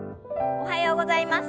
おはようございます。